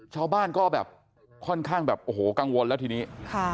ชาวบ้านก็แบบค่อนข้างแบบโอ้โหกังวลแล้วทีนี้ค่ะ